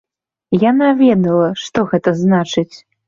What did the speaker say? Яна ведала, што гэта значыць.